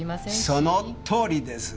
そのとおりです。